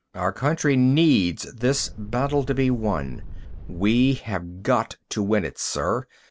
Our country needs this battle to be won. We have got to win it, sir!